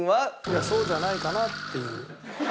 いやそうじゃないかなっていう。